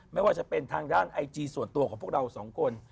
ไม่ว่าจะเป็นทางด้านไอจีส่วนตัวของพวกเราสองคน